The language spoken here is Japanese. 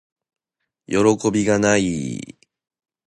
よろこびがない～